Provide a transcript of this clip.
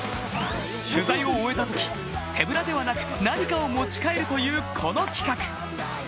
取材を終えたとき手ぶらではなく何かを持ち帰るという、この企画。